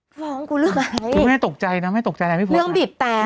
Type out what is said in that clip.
ฟ้องกูเลือกอะไรไม่ตกใจนะไม่ตกใจอะไรพี่โพสต์เรื่องบีบแปลง